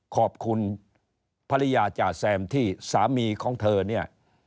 ขอบคุณภรรยาจ่าแซมที่สามีของเธอเนี่ย